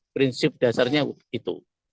prinsip dasarnya itu